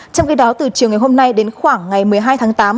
trong khi đó từ chiều ngày hôm nay đến khoảng ngày một mươi hai tháng tám